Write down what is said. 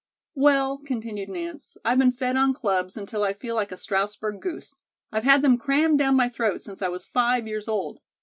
"Well," continued Nance, "I've been fed on clubs until I feel like a Strausberg goose. I've had them crammed down my throat since I was five years old.